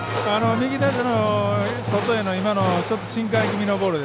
右打者の外へのシンカー気味のボール。